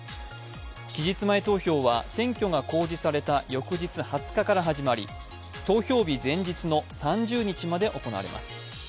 期日前投票は選挙が公示された翌日２０日から始まり投票日前日の３０日まで行われます。